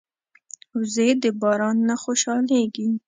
وزې د باران نه خوشحالېږي